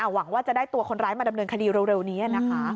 หวังว่าจะได้ตัวคนร้ายมาดำเนินคดีเร็วนี้นะคะ